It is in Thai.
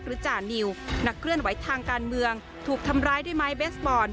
หรือจานิวนักเคลื่อนไว้ทางการเมืองถูกทำร้ายเกิดขึ้นหลักจานสี่ต้น